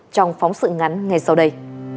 trong phóng sự ngắn ngày sau đây